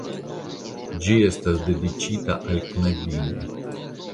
Ĝi estas dediĉita al knabinoj.